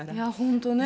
本当ね